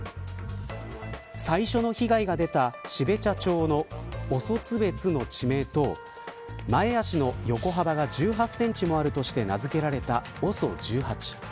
最初の被害が出た標茶町のオソツベツの地名と前足の横幅が１８センチもあるとして名付けられたＯＳＯ１８。